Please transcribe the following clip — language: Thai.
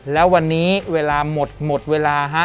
แล้ววันนี้เวลาหมดหมดเวลาฮะ